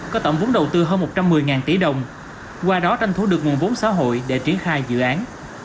có tổng vốn đầu tư hơn một trăm một mươi tỷ đồng qua đó tranh thủ được nguồn vốn xã hội để triển khai dự án